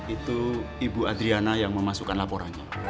itu ibu adriana yang memasukkan laporannya